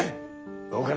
どうかね？